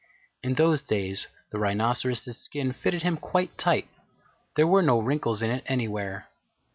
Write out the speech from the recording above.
In those days the Rhinoceros's skin fitted him quite tight. There were no wrinkles in it anywhere.